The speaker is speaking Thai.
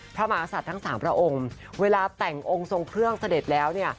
พระมหาศัตริย์ทั้งสามพระองค์เวลาแต่งองค์ทรงเครื่องเสด็จแล้วเนี่ย